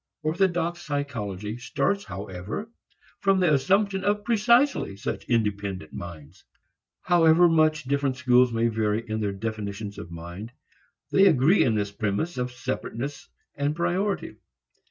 Orthodox psychology starts however from the assumption of precisely such independent minds. However much different schools may vary in their definitions of mind, they agree in this premiss of separateness and priority.